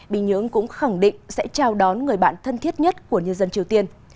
bình nhưỡng cũng khẳng định sẽ chào đón người bạn thân thiết nhất của nhân dân triều tiên